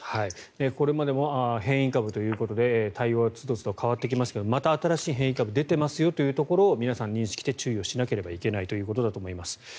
これまでも変異株ということで対応は都度都度変わってきましたがまた新しい変異株が出てますよということを皆さん、認識して注意をしなければいけないということだと思います。